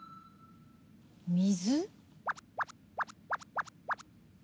水？